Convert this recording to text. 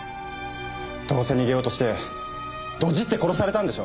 どうせ逃げようとしてドジって殺されたんでしょ？